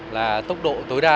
là tốc độ tối đa